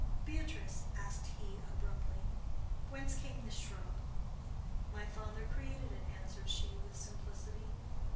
"Beatrice," asked he, abruptly, "whence came this shrub?" "My father created it," answered she, with simplicity.